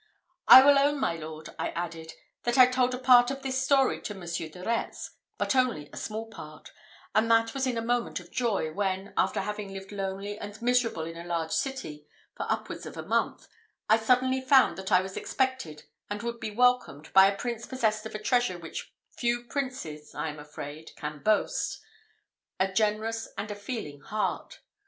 "I will own, my lord," I added, "that I told a part of this story to Monsieur de Retz, but only a small part; and that was in a moment of joy, when, after having lived lonely and miserable in a large city, for upwards of a month, I suddenly found that I was expected and would be welcomed by a prince possessed of a treasure which few princes, I am afraid, can boast a generous and a feeling heart.